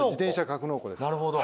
なるほど。